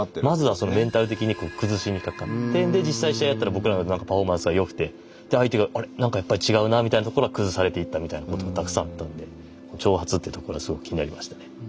まずはメンタル的に崩しにかかって実際試合やったら僕らのパフォーマンスが良くて相手があれなんかやっぱり違うなみたいなところから崩されていったみたいなことがたくさんあったので挑発っていうところはすごく気になりましたね。